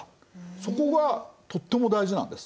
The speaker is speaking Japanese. そこがとっても大事なんです。